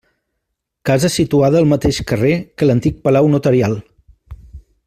Casa situada al mateix carrer que l'antic palau notarial.